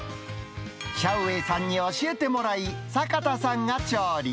シャウ・ウェイさんに教えてもらい、坂田さんが調理。